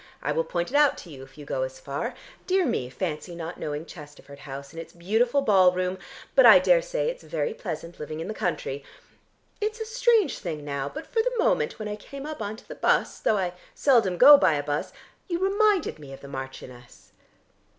I will point it out to you if you go as far. Dear me, fancy not knowing Chesterford House and its beautiful ballroom, but I daresay it's very pleasant living in the country. It's a strange thing now, but for the moment when I came up on to the bus though I seldom go by a bus you reminded me of the Marchioness."